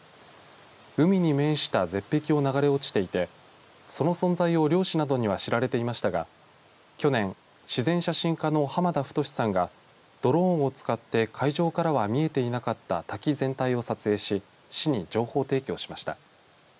海に面した絶壁を流れ落ちていてその存在を漁師などには知られていましたが去年、自然写真家の浜田太さんがドローンを使って海上からは見えていなかった滝全体を撮影し市に情報提供しました。